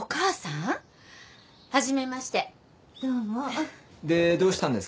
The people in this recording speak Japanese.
でどうしたんですか？